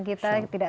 terima kasih tuhan